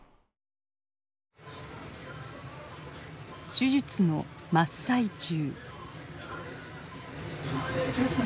手術の真っ最中。